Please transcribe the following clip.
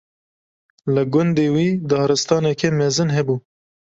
Li gundê wî daristaneke mezin hebû.